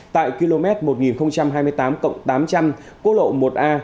tại km một nghìn hai mươi tám tám trăm linh cố lộ một a